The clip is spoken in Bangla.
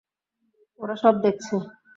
ওরা সব দেখছে।